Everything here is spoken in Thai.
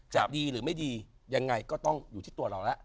จะดีหรือไม่ดียังไงก็ต้องอยู่ที่ตัวเราแล้ว